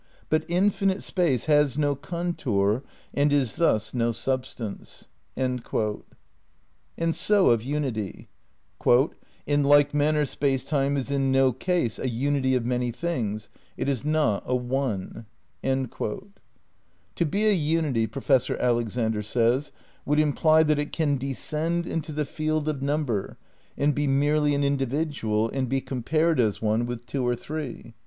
But infinite Space has no contour and is thus no substance." * And so of unity : "In like manner Space Time is in no case a unity of many things; it is not a one." To be a unity, Professor Alexander says, would im ply that it '' can descend into the field of number, and be merely an individual, and be compared as one with two or three."